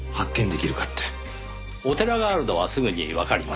お寺があるのはすぐにわかります。